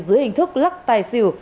dưới hình thức lắc tài xỉu